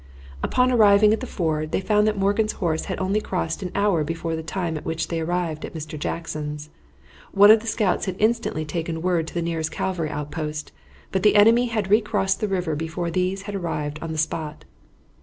Upon arriving at the ford they found that Morgan's horse had only crossed an hour before the time at which they arrived at Mr. Jackson's. One of the scouts had instantly taken word to the nearest cavalry outpost, but the enemy had recrossed the river before these had arrived on the spot.